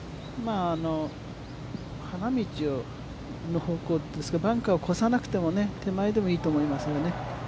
花道の方向ですから、バンカーを越さなくても、手前でもいいと思いますよね。